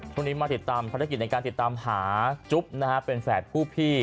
มาติดตามภารกิจในการติดตามหาจุ๊บนะฮะเป็นแฝดผู้พี่